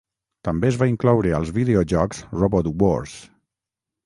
També es va incloure als videojocs "Robot Wars".